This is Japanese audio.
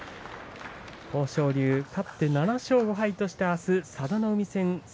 豊昇龍は勝って７勝５敗として、あすは佐田の海戦です。